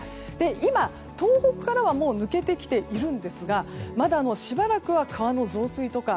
今、東北からはもう抜けてきているんですがまだしばらくは川の増水とか